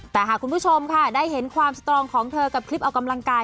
แต่หากคุณผู้ชมค่ะได้เห็นความสตรองของเธอกับคลิปออกกำลังกาย